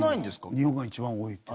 日本が一番多い。